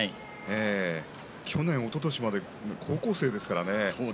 去年、おととしまで高校生ですからね。